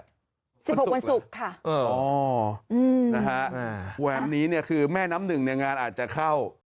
๑๖วันศุกร์ค่ะอ๋อนะฮะแบบนี้คือแม่น้ำหนึ่งในงานอาจจะเข้า